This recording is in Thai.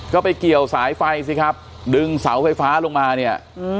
ก็ไปเกี่ยวสายไฟสิครับดึงเสาไฟฟ้าลงมาเนี่ย